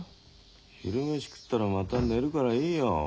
昼飯食ったらまた寝るからいいよ。